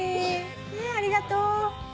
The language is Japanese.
ありがとう！